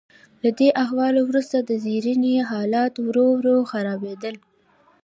له دې احوال وروسته د زرینې حالات ورو ورو خرابیدل.